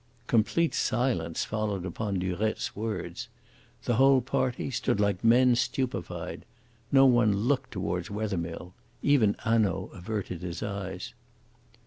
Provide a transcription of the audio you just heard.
Complete silence followed upon Durette's words. The whole party stood like men stupefied. No one looked towards Wethermill; even Hanaud averted his eyes.